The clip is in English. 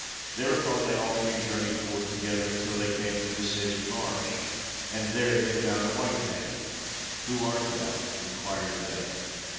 "Thereupon they all three journeyed forth together, until they came to a sedgy marsh, and there they found a white man. 'Who art thou?' inquired they.